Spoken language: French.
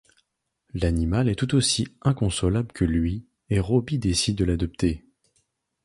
L'animal est tout aussi inconsolable que lui, et Robby décide de l'adopter.